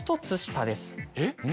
・えっ？